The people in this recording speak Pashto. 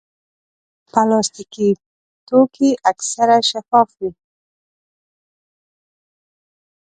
پلاستيکي توکي اکثر شفاف وي.